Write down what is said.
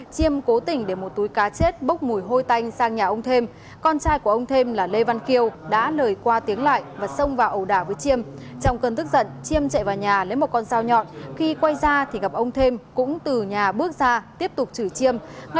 xin chào và hẹn gặp lại trong các bộ phim tiếp theo